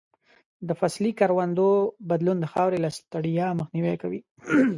د فصلي کروندو بدلون د خاورې له ستړیا مخنیوی کوي.